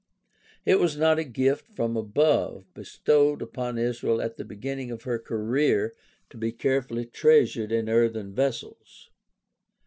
It was not a gift from above, bestowed upon Israel at the beginning of her career to be carefully treasured in earthen vessels.